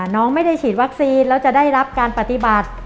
น้องไม่ได้ฉีดวัคซีนแล้วจะได้รับการปฏิบัติ